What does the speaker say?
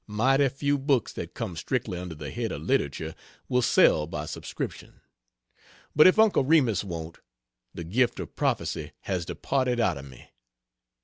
Mighty few books that come strictly under the head of literature will sell by subscription; but if Uncle Remus won't, the gift of prophecy has departed out of me.